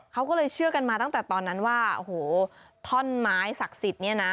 เขาก็เลยเชื่อกันมาตั้งแต่ตอนนั้นว่าโอ้โหท่อนไม้ศักดิ์สิทธิ์เนี่ยนะ